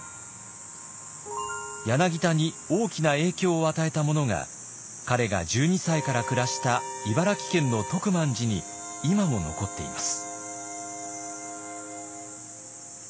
柳田に大きな影響を与えたものが彼が１２歳から暮らした茨城県の徳満寺に今も残っています。